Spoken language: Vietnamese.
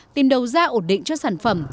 tìm đầu ra ổn định cho sản phẩm